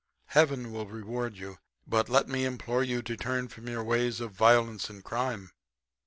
Heaven will reward you. But let me implore you to turn from your ways of violence and crime.'